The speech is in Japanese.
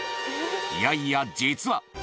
いやいや、実は。